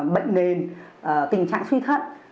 bệnh nền tình trạng suy thận